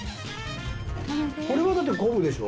これはだって昆布でしょ？